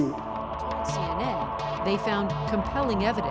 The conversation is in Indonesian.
cnn mereka menemukan bukti yang membuat kita mengatakan